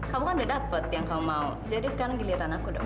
kamu kan udah dapet yang kamu mau jadi sekarang giliran aku udah mau